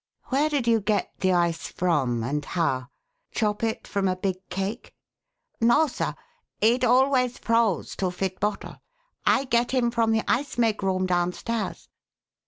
Where did you get the ice from and how? Chop it from a big cake?" "No, sir. It always froze to fit bottle. I get him from the ice make room downstairs."